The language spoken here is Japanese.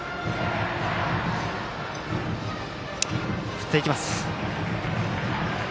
振っていきます。